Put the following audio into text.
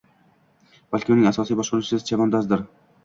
Balki uning asosiy boshqaruvchisi chavondozdir